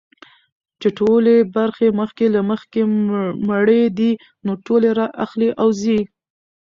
چي ټولي برخي مخکي له مخکي مړې دي نو ټولي را اخلي او ځي.